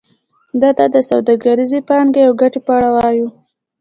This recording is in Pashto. دلته د سوداګریزې پانګې او ګټې په اړه وایو